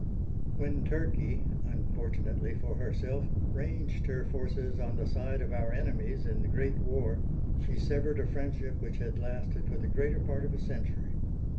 When Turkey, unfortunately for herself, ranged her forces on the side of our enemies in the Great War she severed a friendship which had lasted for the greater part of a century.